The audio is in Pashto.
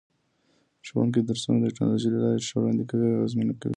ښوونکي درسونه د ټکنالوژۍ له لارې ښه وړاندې کوي او اغېزمنه کوي.